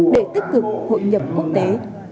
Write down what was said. để tích cực hội nhập quốc tế